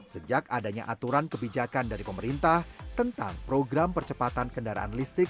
sejak adanya aturan kebijakan dari pemerintah tentang program percepatan kendaraan listrik